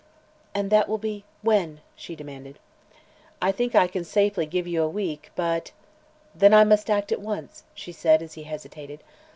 "And that will be when?" she demanded. "I think I can safely give you a week but " "Then I must act at once," she said, as he hesitated.